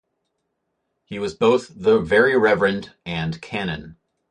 He was both The Very Reverend and Canon.